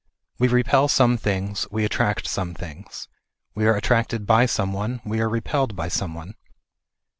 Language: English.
We repel some things, we attract some things. We are attracted by some one, we are repelled by some one.